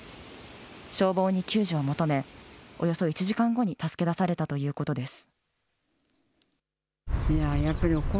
消防に救助を求め、およそ１時間後に助け出されたということです。